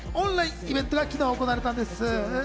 オンラインイベントが昨日行われたんです。